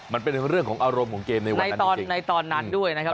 มันเป็นเรื่องของอารมณ์ของเกมในวันในตอนนั้นด้วยนะครับ